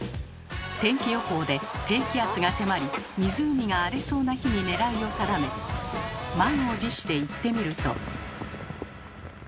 天気予報で低気圧が迫り湖が荒れそうな日に狙いを定め満を持して行ってみると。